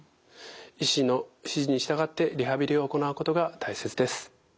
医師の指示に従ってリハビリを行うことが大切です。